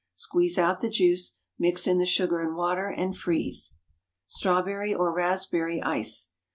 Squeeze out the juice; mix in the sugar and water, and freeze. STRAWBERRY OR RASPBERRY ICE.